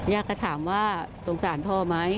อยากก็ถามว่าสงสารพ่อไหม